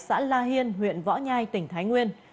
xã la hiên huyện võ nhai tỉnh thái nguyên